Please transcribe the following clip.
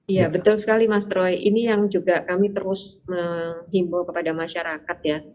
iya betul sekali mas troy ini yang juga kami terus menghimbau kepada masyarakat ya